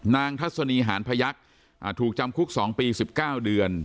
ทัศนีหานพยักษ์ถูกจำคุก๒ปี๑๙เดือน